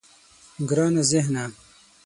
گرانه ذهنه.